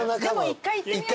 １回いってみよう。